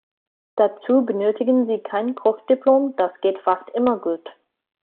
Dazu benötigen Sie kein Kochdiplom, das geht fast immer gut.